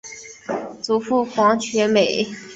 祖父黄厥美。